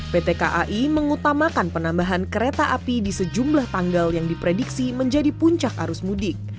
pt kai mengutamakan penambahan kereta api di sejumlah tanggal yang diprediksi menjadi puncak arus mudik